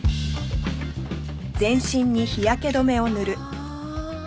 ああ！